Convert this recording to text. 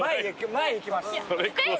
前いきます。